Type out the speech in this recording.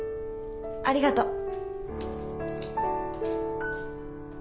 ありがと